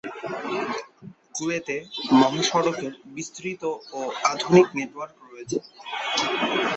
কুয়েতে মহাসড়কের বিস্তৃত ও আধুনিক নেটওয়ার্ক রয়েছে।